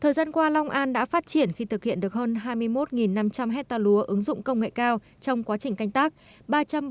thời gian qua long an đã phát triển khi thực hiện được hơn hai mươi một năm trăm linh hectare lúa ứng dụng công nghệ cao trong quá trình canh tác